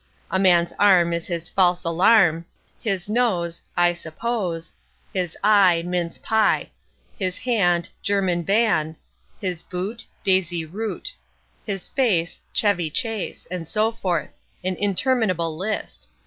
A man's arm is his "false alarm"; his nose, "I suppose"; his eye, "mince pie"; his hand, "German band"; his boot, "daisy root"; his face "chevvy chase"; and so forth an interminable list.